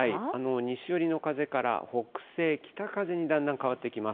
西寄りの風から北西、北風にだんだん変わってきます。